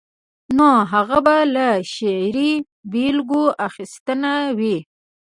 نو هغه به له شعري بېلګو اخیستنه وي.